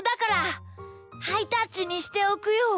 ハイタッチにしておくよ。